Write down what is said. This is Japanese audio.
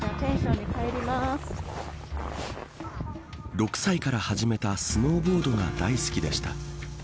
６歳から始めたスノーボードが大好きでした。